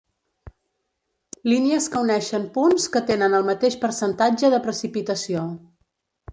Línies que uneixen punts que tenen el mateix percentatge de precipitació.